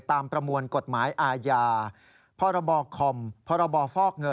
ตามประมวลกฎหมายอาญาพคพฟ